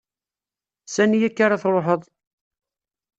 Sani akka ara truḥeḍ?